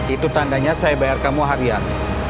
itu tandanya saya bayar kamu harian